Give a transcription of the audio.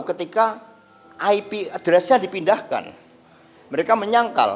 ketika ip address nya dipindahkan mereka menyangkal